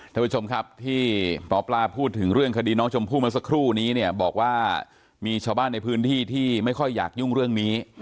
ท่านผู้ชมครับที่หมอปลาพูดถึงเรื่องคดีน้องชมพู่เมื่อสักครู่นี้เนี่ยบอกว่ามีชาวบ้านในพื้นที่ที่ไม่ค่อยอยากยุ่งเรื่องนี้